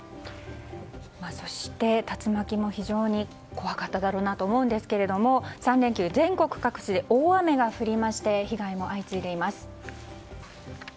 そして、竜巻も非常に怖かっただろうなと思いますが３連休、全国各地で大雨が降りまして被害も相次いでいます。